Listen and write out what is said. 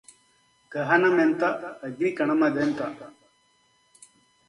గహనమెంత అగ్ని కణమదెంత